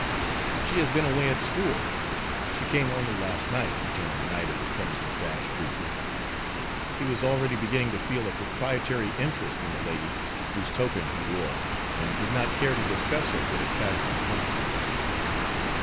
"She has been away at school; she came only last night," returned the knight of the crimson sash, briefly. He was already beginning to feel a proprietary interest in the lady whose token he wore, and did not care to discuss her with a casual acquaintance.